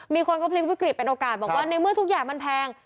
มีคนก็พลิกวิกฤตเป็นโอกาสบอกว่าในเมื่อทุกอย่างมันแพง